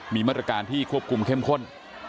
มีมาตรการที่ควบคุมเข้มข้น